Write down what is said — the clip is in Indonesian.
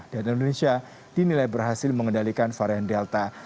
dan indonesia dinilai berhasil mengendalikan varian delta